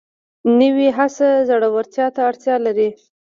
نوې هڅه زړورتیا ته اړتیا لري